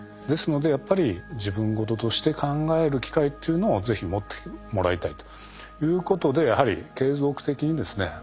ですのでやっぱり自分事として考える機会っていうのを是非持ってもらいたいということでやはり継続的にですね